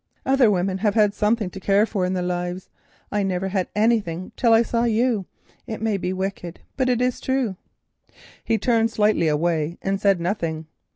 Other women have had something to care for in their lives, I never had anything till I saw you. It may be wicked, but it's true." He turned slightly away and said nothing.